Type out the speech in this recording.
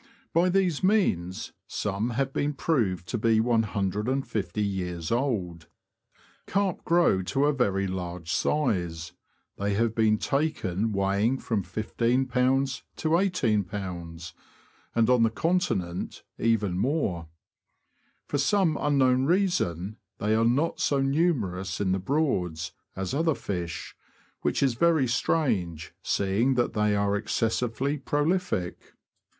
By these means, some have been proved to be 150 years old. Carp grow to a very large size ; they have been taken weighing from 151b. to i81b., and on the Con tinent even more. For some unknown reason, they are not so numerous in the Broads as other fish, which is very strange, seeing that they are ex cessively prolific.